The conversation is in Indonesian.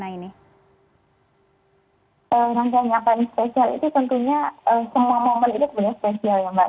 rangkaian acara yang spesial itu tentunya semua momen itu benar benar spesial ya mbak